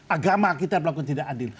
agama kita melakukan tidak adil